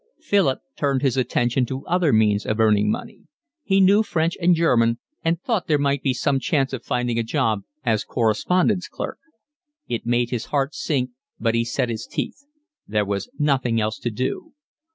Philip turned his attention to other means of earning money. He knew French and German and thought there might be some chance of finding a job as correspondence clerk; it made his heart sink, but he set his teeth; there was nothing else to do.